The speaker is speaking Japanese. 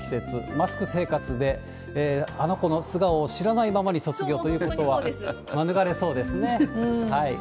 マスク生活であの子のあの子の素顔を知らないままに卒業ということは免れそうですね。